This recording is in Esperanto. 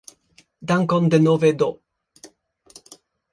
Dankon denove do!